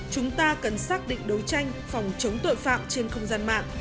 chúng ta cần xác định đấu tranh phòng chống tội phạm trên không gian mạng